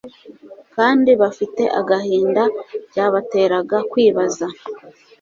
kandi bafite agahinda byabateraga kwibaza